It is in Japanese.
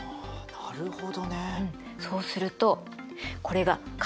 なるほど。